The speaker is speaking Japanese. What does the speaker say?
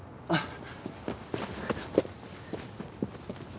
あっ！